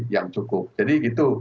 yang cukup jadi itu